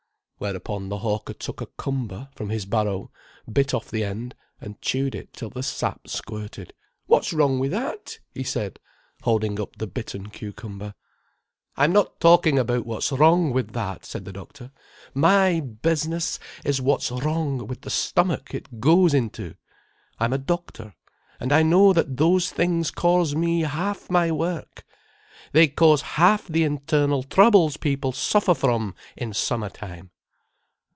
Whereupon the hawker took a "cumber" from his barrow, bit off the end, and chewed it till the sap squirted. "What's wrong with that?" he said, holding up the bitten cucumber. "I'm not talking about what's wrong with that," said the doctor. "My business is what's wrong with the stomach it goes into. I'm a doctor. And I know that those things cause me half my work. They cause half the internal troubles people suffer from in summertime."